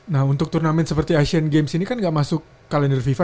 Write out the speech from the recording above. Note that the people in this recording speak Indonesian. nah untuk turnamen seperti asian games ini kan gak masuk kalender fifa